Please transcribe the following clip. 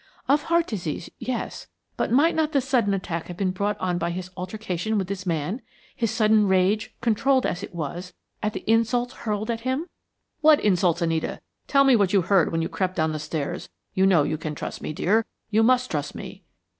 "Of heart disease, yes. But might not the sudden attack have been brought on by his altercation with this man? His sudden rage, controlled as it was, at the insults hurled at him?" "What insults, Anita? Tell me what you heard when you crept down the stairs. You know you can trust me, dear you must trust me."